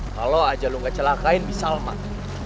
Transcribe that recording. kalau aja lu gak celakain bisa lemah